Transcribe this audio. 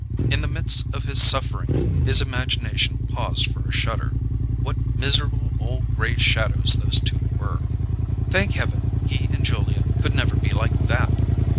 In the midst of his suffering his imagination paused for a shudder: What miserable old gray shadows those two were! Thank Heaven he and Julia could never be like that!